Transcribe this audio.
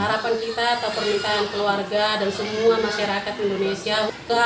para pencipta pemerintahan keluarga dan semua masyarakat indonesia